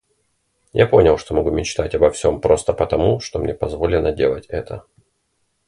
Я понял, что могу мечтать обо всем просто потому, что мне позволено делать это.